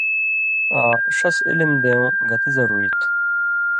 آں ݜس علم دېوں گتہ ضروری تُھو